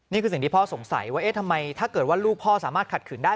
นี่คือสิ่งที่พ่อสงสัยว่าเอ๊ะทำไมถ้าเกิดว่าลูกพ่อสามารถขัดขืนได้